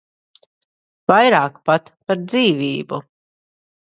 Vairāk pat par dzīvību.